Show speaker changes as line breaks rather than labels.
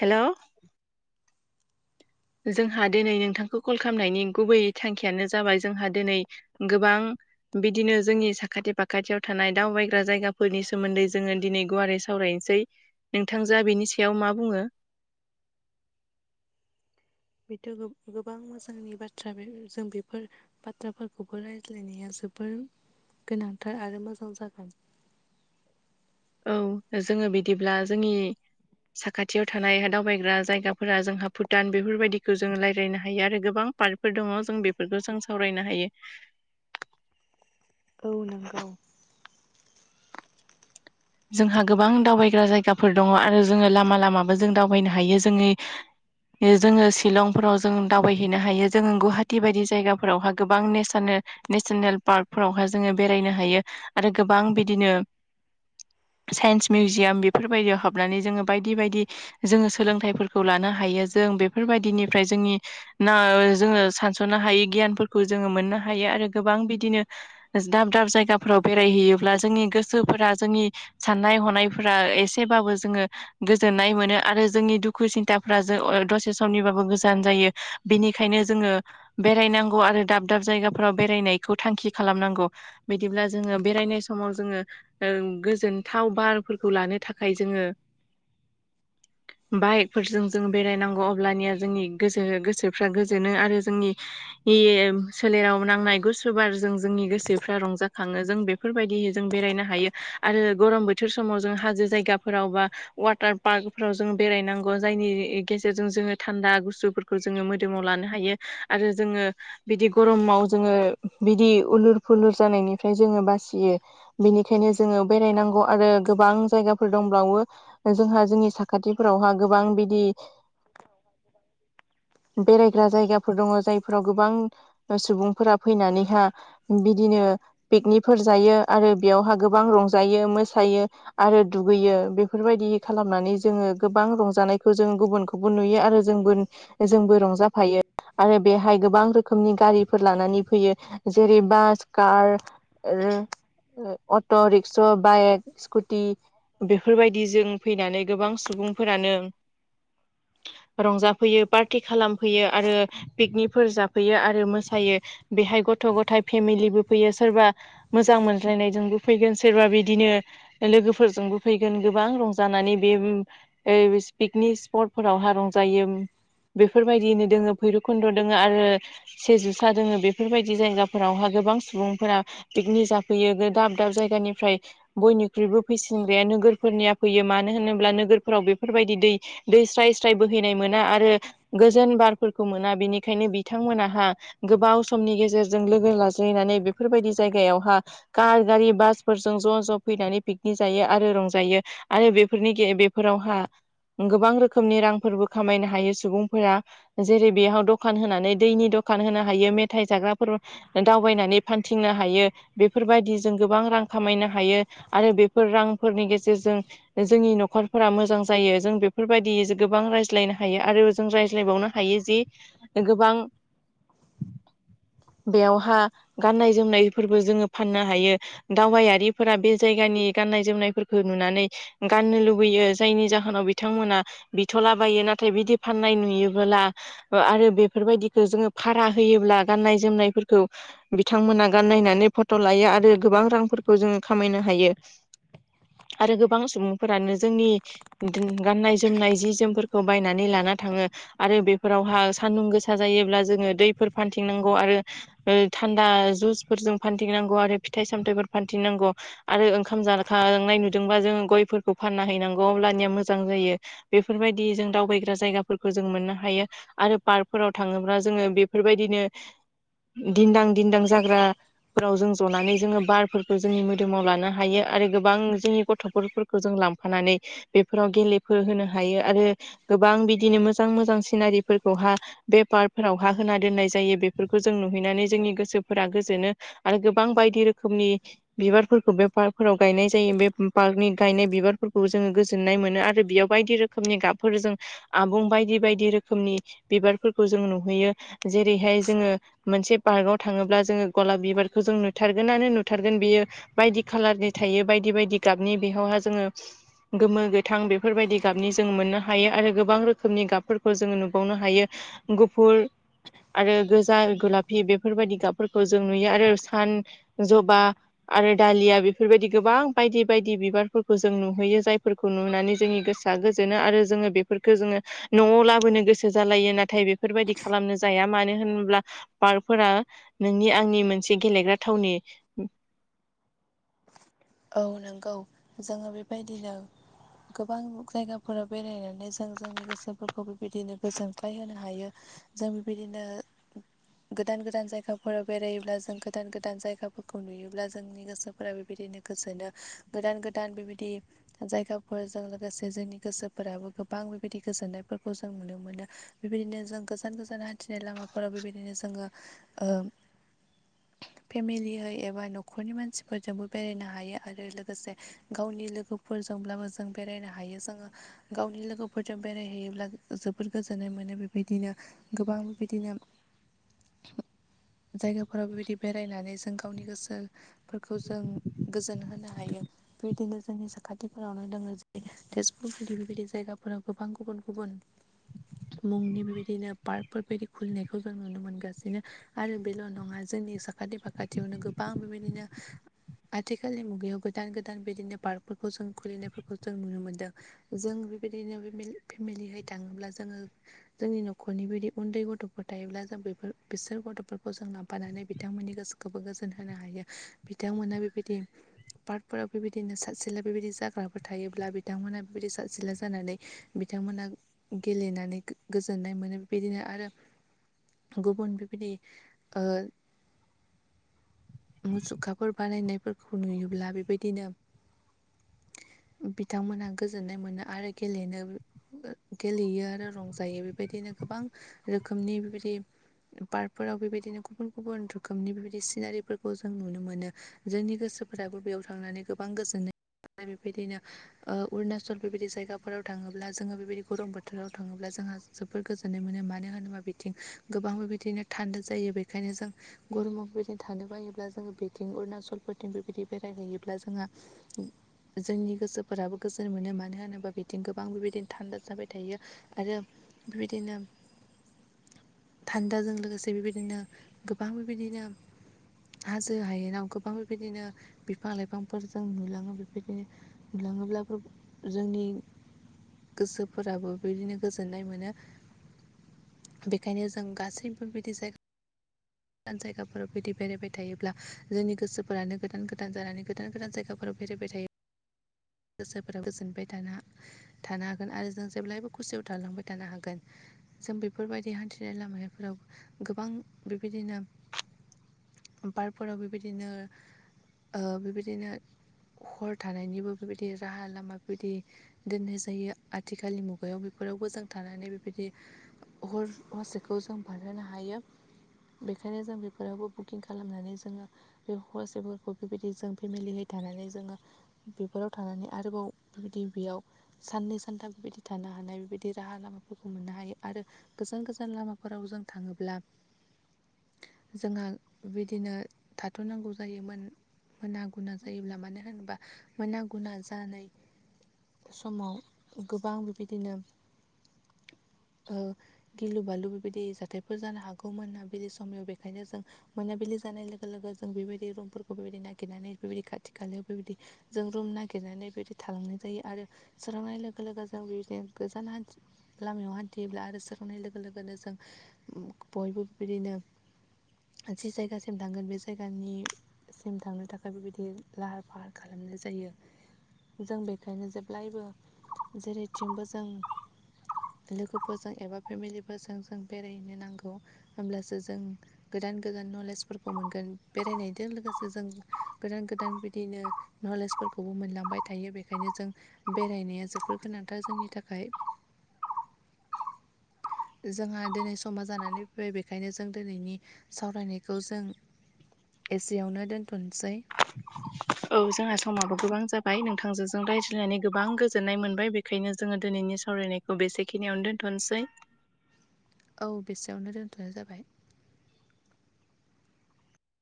Hello? जोंहा दिनै नोंथांखौ कल खालामनायनि गुबै थांखियानो जाबाय जोंहा दिनै गोबां बिदिनो जोंनि साखाथि फाखाथियाव थानाय दावबायग्रा जायगाफोरनि सोमोन्दै जोङो दिनै गुवारै सावरायनोसै। नोंथांजोआ बिनि सायाव मा बुङो?
बेथ' गोबां गोबां मोजांनि बाथ्रा बे जों बेफोर बाथ्राफोरखौबो रायज्लायनाया जोबोर गोनांथार आरो मोजां जागोन।
औ जोङो बिदिब्ला जोंनि साखाथियाव थानाय दावबायग्रा जायगाफोरा जोंहा भुटान बेफोरबायदिखौ जों रायलायनो हायो आरो गोबां पार्टफोर दङ जों बेफोरखौ जों सावरायनो हायो।
औ नंगौ।
जोंहा गोबां दावबायग्रा जायगाफोर दङ आरो जोङो लामा लामाबो जों दावबायनो हायो, जोंनि जोङो शिलंफोराव जों दावबायहैनो हायो, जोङो गुवाहाटि बायदि जायगाफोरावहा गोबां नेसनेल नेसनेल पार्कफोरावहाय जोङो बेरायनो हायो आरो गोबां बिदिनो साइन्स मिउजियाम बेफोरबायदियाव हाबनानै जोङो बायदि बायदि जोङो सोलोंथाइफोरखौ लानो हायो। जों बेफोरबायदिनिफ्राय जोंनि ना जोङो सानस'नो हायो गियानफोरखौ जोङो मोननो हायो आरो गोबां बिदिनो दाब दाब जायगाफोराव बेरायहैयोब्ला जोंनि गोसोफोरा जोंनि साननाय हनायफोरा एसेबाबो जोङो गोजोननाय मोनो आरो जोंनि दुखु सिन्थाफ्रा जो ओ दसे समनिबाबो गोजान जायो। बेनिखायनो जोङो बेरायनांगौ आरो दाब दाब जायगाफोराव बेरायनायखौ थांखि खालामनांगौ। बिदिब्ला जोङो बेरायनाय समाव जोङो ओ गोजोनथाव बारफोरखौ लानो थाखाय जोङो बाइकफोरजों जों बेरायनांगौ अब्लानिया जोंनि गोसो गोसोफ्रा गोजोनो आरो जोंनि [unintelligible] सोलेराव नांनाय गुसु बारजों जोंनि गोसोफ्रा रंजाखाङो जों बेफोरबायदि जों बेरायनो हायो आरो गरम बोथोर समाव जों हाजो जायगाफोराव बा वाटार पार्कफ्राव जों बेरायनांगौ। जायनि गेजेरजों जोंङो थान्दा गुसुफोरखौ जोंङो मोदोमाव लानो हायो। आरो जोङो बिदि गरमाव जोङो बिदि उलुर फुलुर जानायनिफ्राय जोङो बासियो। बेनिखायनो जोङो बेरायनांगौ आरो गोबां जायगाफोर दंब्लावो जोंहा जोंनि साखाथि फ्रावहा गोबां बिदि बेरायग्रा जायगाफोर दङ जायफ्राव गोबां सुबुंफोरा फैनानैहा बिदिनो पिकनिकफोर जायो आरो बेयावहा गोबां रंजायो, मोसायो आरो दुगैयो बेफोरबायदि खालामनानै जोंङो गोबां रंजानायखौ जों गुबुनखौबो नुयो आरो जोंबो जोंबो रंजाफायो आरो बेहाय गोबां रोखोमनि गारिफोर लानानै फैयो। जेरै बास कार [unintelligible] अट' रिक्स' बाएक स्कुटि बेफोर बायदिजों फैनानै गोबां सुबुंफोरानो रंजाफैयो पार्टि खालामफैयो आरो पिकनिकफोर जाफैयो आरो मोसायो। बेहाय गथ' गथाय फेमिलिबो फैयो सोरबा मोजां मोनज्लायनायजोंबो फैगोन सोरबा बिदिनो लोगोफोरजोंबो फैगोन गोबां रंजानानै बे [unintelligible] पिकनिक स्पटफोरावहा रंजायोम। बेफोरबायदिनो दोंङो भैरबकुन्द' दोंङो आरो सेजुसा दोंङो बेफोरबायदि जायगाफोरावहा गोबां सु बुंफोरा पिकनिक जाफैयो गो दाब दाब जायगानिफ्राय बयनिख्रुइबो फैसिनग्राया नोगोरफोरनिया फैयो। मानो होनोब्ला नोगोरफोराव बेफोरबायदि दै दै स्राय बोहैनाय मोना आरो गोजोन बारफोरखौ मोना बिनिखायनो बिथांमोनाहा गोबाव समनि गेजेरजों लोगो लाज्लायनानै बेफोरबायदि जायगायावहा कार गारि बासफोरजों ज' ज' फैनानै पिकनिक जायो आरो रंजायो। आरो बेफोरनि गे बेफोरावहा गोबां रोखोमनि रां फोरबो खामायनो हायो सुबुंफोरा जेरै बेहाव दखान होनानै दैनि दखान होनो हायो मेथाइ जाग्राफोर दावबायनानै फानथिंनो हायो बेफोरबायदि गोबां रां खामायनो हायो आरो बेफोर रांफोरनि गेजेरजों जोंनि न'खरफोरा मोजां जायो जों बेफोरबायदि जो गोबां रायज्लायनो हायो आरो जों रायज्लायबावनो हायो जि गोबां बेयावहा गाननाय जोमनायफोरबो जोंङो फाननो हायो। दावबायारिफोरा बे जायगानि गाननाय जोमनायफोरखौ नुनानै गाननो लु बैयो जायनि जाहोनाव बिथांमोना बिथ'लाबायो नाथाय बिदि फाननाय नुयोबोला आरो बेफोरबायदिखो जोंङो भारा होयोब्ला गाननाय जोमनायफोरखौ बिथांमोना गाननायनानै फट' लायो आरो गोबां रांफोरखौ जोङो खामायनो हायो। आरो गोबां सुबुंफोरानो जोंनि गाननाय जोमनाय जि जोमफोरखौ बायनानै लाना थाङो। आरो बेफोरावहा सान्दुं गोसा जायोब्ला जोङो दैफोर फानथिंनांगौ आरो ओ थान्दा जुसफोर जों फानथिनांगौ आरो फिथाइ सामथाइफोर फानथिनांगौ। आरो ओंखाम जाखांनाय नुदोंबा जोङो गयफोरखौ फानना हैनांगौ अब्लानिया मोजां जायो। बे बेफोरबायदि जों दावबायग्रा जायगाफोरखौ जों मोननो हायो। आरो पार्कफोराव थांङोब्ला जोंङो बेफोरबायदिनो दिन्दां दिन्दां जाग्राफोराव जों जनानै जोङो बारफोरखौ जोंनि मोदोमाव लानो हायो आरो गोबां जोंनि गथ'फोरखौ जों लांफानानै बेफोराव गेलेफोर होनो हायो आरो गोबां बिदिनो मोजां मोजां सिनारिफोरखौहा बे फार्कफोराव हा होना दोननाय जायो बेफोरखौ जों नुहैनानै जोंनि गोसोफोरा गोजोनो आरो गो बां बायदि रोखोमनि बिबारफोरखौ बे पार्कफोराव गायनाय जायो बे पार्कनि गायनाय बिबार फोरखौ जोङो गोजोननाय मोनो आरो बेयाव बायदि रोखोमनि गाबफोर जों आबुं बायदि बायदि रोखोमनि बिबारफोरखौ जों नुहैयो जेरैहाय जोङो मोनसे पार्काव थाङोब्ला जोङो गलाब बिबारखौ जोंनो नुथारगोनानो नुथारगोन बियो बायदि खालारनि थायो बायदि बायदि गाबनि बेयावहा जोङो गोमो गो थां बेफोरबायदि गाबनि जों मोननो हायो आरो गोबां रोखोमनि गाबफोरखौ जोङो नुबावनो हायो गुफुर आरो गोजा गलाफि बेफोरबायदि गाबफोरखौ जों नुयो आरो सान जबा आरो दालिया बेफोरबायदि गोबां बायदि बायदि बिबारफोर खौ जों नुहैयो जायफोरखौ नुनानै जोंनि गोसोआ गो जोंनो आरो जोङो बेफोरखौ जोङो न'आव लाबोनो गोसो जालायो नाथाय बेफोरबायदि खालामनो जाया मानो होनब्ला पार्कफोरा नोंनि आंनि मोनसे गेलेग्रा थावनि
औ नंगौ जोङो बेबायदिनो गोबां जायगाफोराव बेरायनानै जों जोंनि गोसोफोरखौ बेबायदिनो गोजोनग्लाय होनो हायो। जों बेबायदिनो गोदान गोदान जायगाफोराव बेरायोब्ला जों गोदान गोदान जायगाफोरखौ नुयोब्ला जोंनि गोसो फोरा बेबायदिनो गोजोनो गोदान गोदान बेबायदि जायगाफोरजों लोगोसे जोंनि गोसोफोराबो गोबां बेबायदि गोजोननायफोरखौ जों नुनो मोनो। बेबायदिनो जों गोजान गोजान हान्थिनाय लामाफोराव बेबायदिनो जोङो फेमिलियै एबा न'खरनि मानसि फोरजोंबो बेरायनो हायो आरो लोगोसे गावनि लोगोफोरजोंब्लाबो जों बेरायनो हायो जोङो गावनि लोगोफोरजों बेरायहैयोब्ला जोबोर गोजोननाय मोनो बेबायदिनो गोबां बेबायदिनो जायगाफोराव बेबायदि बेरायनानै जों गावनि गोसो फोरखौ जों गोजोन होनो हायो। बेबायदिनो जोंनि साखाथिफोरावनो दङ जेरै तेजपुर बिबायदि बेबायदि जायगाफोराव गोबां गुबुन गुबुन मुंनि बेबायदिनो पार्कफोरबायदि खुलिनायखौ जों नुनो मोनगासिनो आरो बेल' नङा जोंनि साखाथि फाखाथियावनो गोबां बेबायदिनो आथिखालनि मुगायाव गोदान गोदान बिदिनो पार्कफोरखौ जों खुलिनायफोरखौ जों नुनो मोनदों। जों बेबायदिनो बेमिलि-फेमिलिहै थाङोब्ला जोङो जोंनि न'खरनि बिदि उन्दै गथ'फोर थायोब्ला जों बेफोर बिसोर गथ'फोरखौ जों लांफानानै बिथांमोननि गोसोखौ खौबो गोजोन होनो हायो बिथांमोना बेबायदि पार्कफोराव बेबायदिनो सासेला बेबायदि जाग्राफोर थायोब्ला बिथांमोना बेबायदि सासेला जानानै बिथांमोना गेलेनानै गोजोननाय मोनो बेबायदिनो आरो गुबुन बेबायदि मुसु खुखाफोर बानायनायफोरखौ नुयोब्ला बेबायदिनो बिथांमोनहा गोजोननाय मोनो आरो गेलेनो गेलेयो आरो रंजायो बेबायदिनो गोबां रोखोमनि बेबायदि पार्कफोराव बेबायदिनो गुबुन गुबुन रोखोमनि बेबायदि सिनारिफोरखौ जों नुनो मोनो जोंनि गोसोफोराबो बेयाव थांनानै गोबां गोजोननाय [unintelligible] आरो बेबायदिनो अरुणाचल बेबायदि जायगाफोराव थाङोब्ला जोङो बेबायदि गरम बोथोराव थाङोब्ला जोंहा जोबोर गोजोननाय मोनो मानो होनोबा बिथिं गोबांबो बिदिनो थान्दा जायो बेखायनो जों गरमाव बिबायदिनो थानो बायोब्ला जोङो बे ं अरुणाचलफोरथिं बेबायदि बेरायहैयोब्ला जोंहा जोंनि गोसोफोराबो गोजोन मोनो मानो होनोबा बिथिं गोबां बेबायदिनो थान्दा जाबाय थायो। आरो बेबायदिनो थान्दाजों लोगोसे बेबायदिनो गोबां बेबायदिनो हायोनाव गोबां बेबायदिनो बिफां लाइफांफोर जों नुलाङो बेफोरबायदिनो बुंलाङोब्लाबो जोंनि गोसोफोराबो बिदिनो गोजोननाय मोनो। बेखायनो जों गासैबो बिदि जायगा। गोदान जायगाफोराव बिदि बेरायबाय थायो। ब्ला जोंनि गोसोफोरानो गोदान गोदान जानानै गोदान गोदान जायगाफोराव फरायबाय थायो। गोसोफोरा गोजोनबाय दाना। थानो हागोन आरो जों जेब्लायबो खुसियाव थालांबाय थानो हागोन। जों बेफोरबायदि हान्थिनाय लामाफोराव गोबां बेबायदिनो पार्कफोराव बेबायदिनो ओ बेबायदिनो हर थानायनिबो बेबायदि राहा लामा बेबायदि दोननाय जायो आथिखालनि मुगायाव बेफोरावबो जों थानानै बेबायदि हर हरसेखौ जों बारहोनो हायो बेखायनो जों बेफोरावबो बुकिं खालाम। खालामनानै जोङो बे हौवासाफोरखौ बेबायदि जों फेमिलियै थानानै जोङो। बेफोराव थानानै आरोबाव बिबायदि बेयाव। साननै सानथाम बेबायदि थानो हानाय बेबायदि राहा लामाफोरखौ मोननो हायो आरो गोजान गोजान लामाफोराव जों थाङोब्ला जोंहा बिदिनो थाथ'नांगौ जायोमोन। मोना गुना जायोब्ला मानो होनोब्ला मोना गुना जानाय समाव गोबां बेबायदिनो ओ गिलु बालु बेबायदि जाथायफोर जानो हागौ मोनाबिलि समाव बेखायनो जों मोनाबिलि जानाय लोगो लोगो जों बेबायदि रुमफोरखौ बेबायदि नागिरनानै बेबायदि खाथि खालायाव बेबायदि। जों रुम नागिरनानै बेबायदि थालांनाय जायो आरो सोरांनाय लोगो लोगो जों बिबायदिनो गोजान हान्थि। लामायाव हान्थियोब्ला आरो सावनाय लोगो लोगोनो जों बयबो बिदिनो जि जायगासिम थांगोन बे जायगानि सिम थांनो थाखाय बेबायदि लाहार फाहार खालामनाय जायो। जों बेखायनो जेब्लायबो जेरैथिंबो जों लोगोफोरजों एबा फेमिलिफोरजों जों बेरायनो नांगौ होमब्लासो जों गोदान गोदान नलेजफोरखौ मोनगोन। बेरायनायजों लोगोसे जों गोदान गोदान बिदिनो नलेजफोरखौबो मोनलांबाय थायो बेखायनो जों। बेरायनाया जोबोर गोनांथार जोंनि थाखाय। जोंहा दिनै समा जानानै फैबाय बेखायनो जों दिनैनि सावरायनायखौ जों एसेयावनो दोनथ'सै।
औ जोंना समाबो गोबां जाबाय नोंथांजोजों रायज्लायनानै गोबां गोजोननाय मोनबाय बे। खायनो जोङो दिनैनि सावरायनायखौ बेसेखिनियावनो दोनथ'नोसै।
औ बेसेयावनो दोनथ'नाय जाबाय।